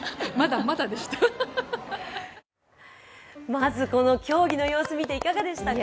まず、この競技の様子見ていかがでしたか？